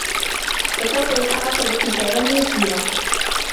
فَسَوْفَ يُحَاسَبُ حِسَابًا يَسِيرًا